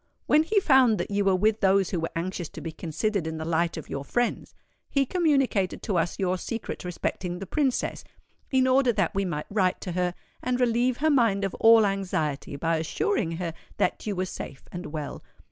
When he found that you were with those who were anxious to be considered in the light of your friends, he communicated to us your secret respecting the Princess, in order that we might write to her and relieve her mind of all anxiety by assuring her that you were safe and well.